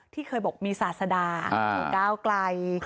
ที่เคยบอกมีศาสดาของก้าวไกล